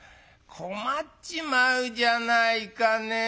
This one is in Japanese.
「困っちまうじゃないかねぇ。